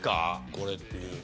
これっていう。